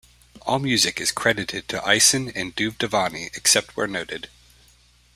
All music is credited to Eisen and Duvdevani except where noted.